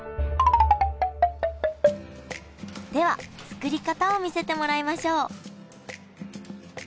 では作り方を見せてもらいましょう！